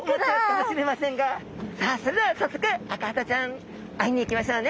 さあそれではさっそくアカハタちゃん会いに行きましょうね。